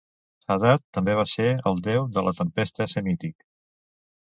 Hadad també va ser el deu de la tempesta semític.